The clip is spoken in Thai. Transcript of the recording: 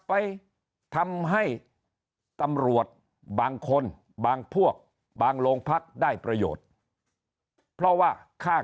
ไปทำให้ตำรวจบางคนบางพวกบางโรงพักได้ประโยชน์เพราะว่าค่า